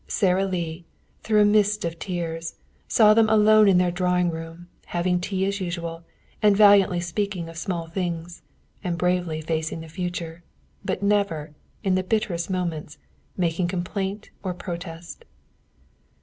Sara Lee, through a mist of tears, saw them alone in their drawing room, having tea as usual, and valiantly speaking of small things, and bravely facing the future, but never, in the bitterest moments, making complaint or protest.